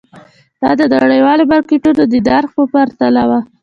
دا د نړیوالو مارکېټونو د نرخ په پرتله وو.